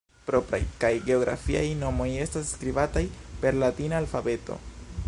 Propraj kaj geografiaj nomoj estas skribataj per latina alfabeto.